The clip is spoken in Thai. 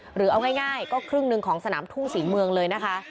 หรือเอาง่ายก็ครึ่งหนึ่งของสนามทุ่งศรีเมืองเลยนะคะ